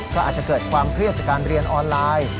ก็อาจจะเกิดความเครียดจากการเรียนออนไลน์